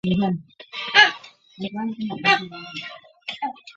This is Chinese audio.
这使它们更适合于电池供电设备。